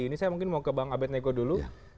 ini saya mungkin mau ke bang abed neko dulu